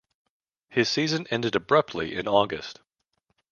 His season ended abruptly in August.